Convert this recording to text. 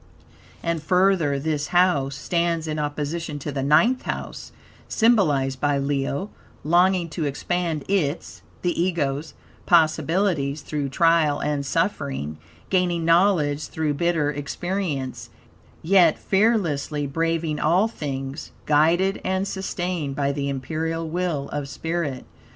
And further, this house stands in opposition to the Ninth House, symbolized by Leo; longing to expand its (the Ego's) possibilities through trial and suffering; gaining knowledge through bitter experience; yet fearlessly braving all things; guided and sustained by the imperial will of spirit.